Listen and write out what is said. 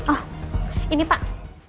oh ini pak